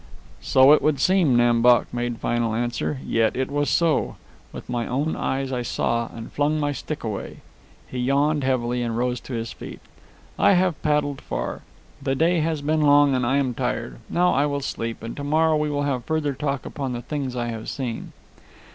"So it would seem," Nam Bok made final answer; "yet it was so. With my own eyes I saw, and flung my stick away." He yawned heavily and rose to his feet. "I have paddled far. The day has been long, and I am tired. Now I will sleep, and to morrow we will have further talk upon the things I have seen."